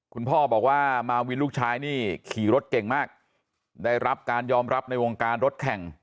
คุณพ่อบอกว่ามาวินลูกชายนี่ขี่รถเก่งมากได้รับการยอมรับในวงการรถแข่ง